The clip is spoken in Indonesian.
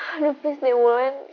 aduh please deh mulain